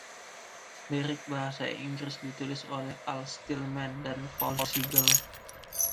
Lirik bahasa Inggris ditulis oleh Al Stillman dan Paul Siegel.